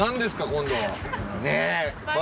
今度は。